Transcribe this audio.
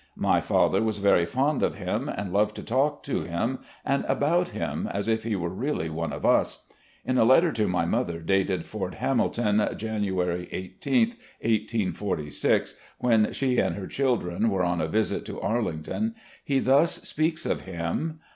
My father was very fond of him, and loved to talk to him and about him as if he were really one of us. In a letter to my mother, dated Fort Hamilton, January i8, 1846, when she and her children were on a visit to Arlington, he thus speaks of him